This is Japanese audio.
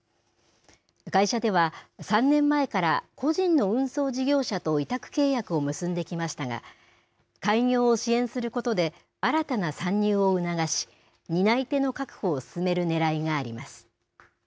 会社では、３年前から個人の運送事業者と委託契約を結んできましたが開業を支援することで新たな参入を促し担い手の確保を進めるねらいがあります。